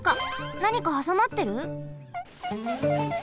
なにかはさまってる？